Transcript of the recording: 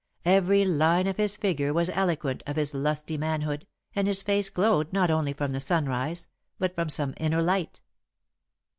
Every line of his figure was eloquent of his lusty manhood, and his face glowed not only from the sunrise, but from some inner light.